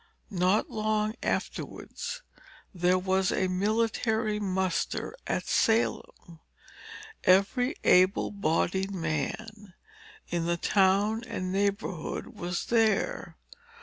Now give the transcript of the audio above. Not long afterwards there was a military muster at Salem. Every able bodied man, in the town and neighborhood, was there.